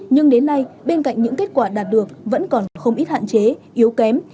nhưng đến nay bên cạnh những kết quả đạt được vẫn còn không ít hạn chế yếu kém